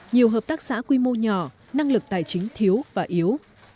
nhiều hợp tác xã quy mô nhỏ năng lực tài chính thiếu và yếu